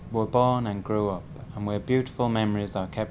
giám đốc của hà tây